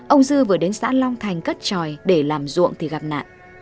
ông dư vừa đến xã long thành cất tròi để làm ruộng thì gặp nạn